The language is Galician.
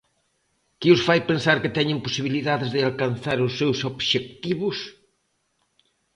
Que os fai pensar que teñen posibilidades de alcanzar os seus obxectivos?